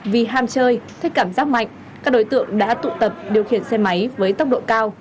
vì ham chơi thích cảm giác mạnh các đối tượng đã tụ tập điều khiển xe máy với tốc độ cao